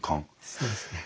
そうですね。